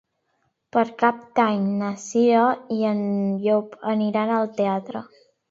Per Cap d'Any na Cira i en Llop aniran al teatre.